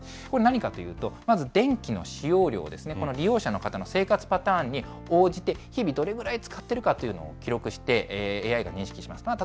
これ、何かというと、まず電気の使用量ですね、この利用者の方の生活パターンに応じて、日々、どれぐらい使っているかというのを記録して、ＡＩが認識します。